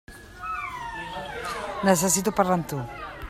Necessito parlar amb tu.